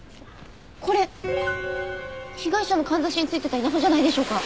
これ被害者のかんざしについてた稲穂じゃないでしょうか？